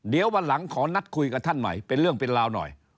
เดี๋ยววันหลังขอนัดคุยกับท่านใหม่เป็นเรื่องเป็นราวหน่อย